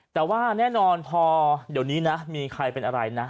แต่ว่าแน่นอนพอเดี๋ยวนี้นะมีใครเป็นอะไรนะ